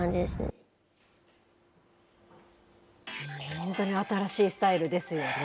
本当に新しいスタイルですよね。